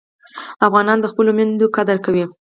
افغانان د خپلو میوو قدر کوي.